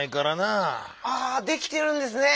ああできてるんですね！